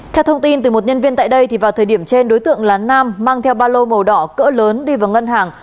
theo thông tin từ một nhân viên tại đây vào thời điểm trên đối tượng là nam mang theo ba lô màu đỏ cỡ lớn đi vào ngân hàng